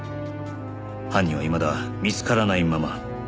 犯人はいまだ見つからないまま。